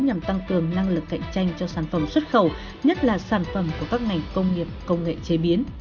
nhằm tăng cường năng lực cạnh tranh cho sản phẩm xuất khẩu nhất là sản phẩm của các ngành công nghiệp công nghệ chế biến